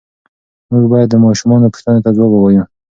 موږ باید د ماشومانو پوښتنو ته ځواب ووایو.